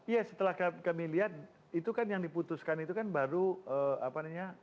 ya setelah kami lihat itu kan yang diputuskan itu kan baru apa namanya